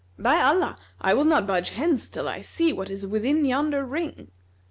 By Allah, I will not budge hence till I see what is within yonder ring!"